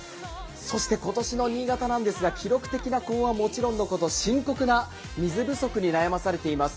そして今年の新潟なんですが記録的な高温はもちろんなんですが深刻な水不足に悩まされています。